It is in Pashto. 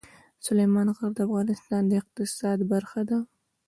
سلیمان غر د افغانستان د اقتصاد برخه ده.